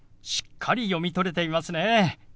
しっかり読み取れていますね。